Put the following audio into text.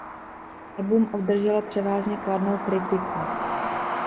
Album obdrželo převážně kladnou kritiku.